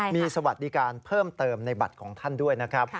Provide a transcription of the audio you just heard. มีสวัสดิการเพิ่มเติมในบัตรของท่านด้วยนะครับ